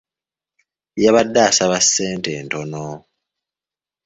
Yabadde asaba ssente ntono.